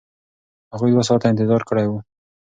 هغوی دوه ساعته انتظار کړی و.